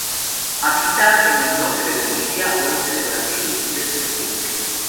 Habita en el norte de Bolivia, oeste de Brasil y sudeste de Perú.